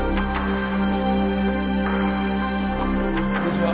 こんにちは。